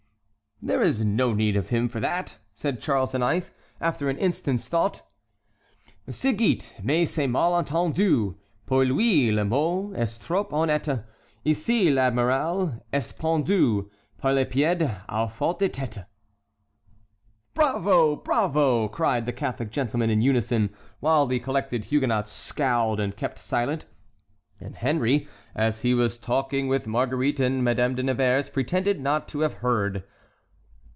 "There is no need of him for that," said Charles IX., after an instant's thought: "Ci gît,—mais c'est mal entendu, Pour lui le mot est trop honnête,— Ici l'amiral est pendu Par les pieds, à faute de tête." "Bravo! bravo!" cried the Catholic gentlemen in unison, while the collected Huguenots scowled and kept silent, and Henry, as he was talking with Marguerite and Madame de Nevers, pretended not to have heard.